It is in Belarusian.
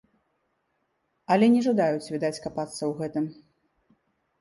Але не жадаюць, відаць, капацца ў гэтым.